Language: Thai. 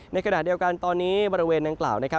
ในขณะเดียวกันตอนนี้บริเวณดังกล่าว